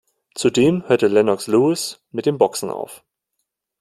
Zudem hörte Lennox Lewis mit dem Boxen auf.